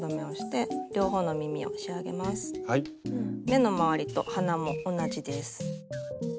目の周りと鼻も同じです。